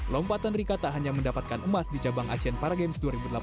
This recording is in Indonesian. lompatan rika tak hanya mendapatkan emas di cabang asean paragames dua ribu delapan belas